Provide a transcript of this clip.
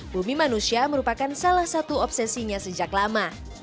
bumi manusia merupakan salah satu obsesinya sejak lama